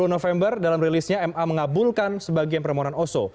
sepuluh november dalam rilisnya ma mengabulkan sebagian permohonan oso